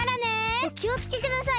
おきをつけください！